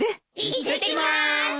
いってきます！